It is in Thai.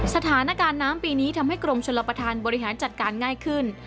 สถานการณ์น้ำปีนี้ทำให้กรมชลประธานบริหารจัดการง่ายขึ้น